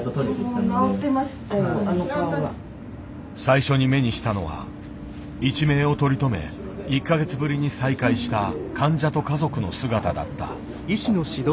最初に目にしたのは一命を取り留め１か月ぶりに再会した患者と家族の姿だった。